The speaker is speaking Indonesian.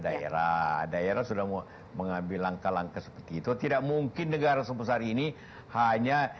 daerah daerah sudah mau mengambil langkah langkah seperti itu tidak mungkin negara sebesar ini hanya